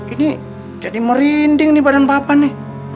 ini jadi merinding nih badan papan nih